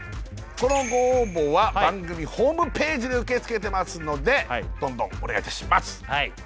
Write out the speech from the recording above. このご応募は番組ホームページで受け付けてますのでどんどんお願いいたします